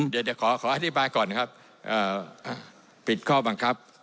เดี๋ยวจะขออธิบายก่อนครับปิดข้อบังคับ